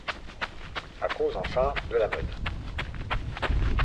À cause, enfin, de la mode.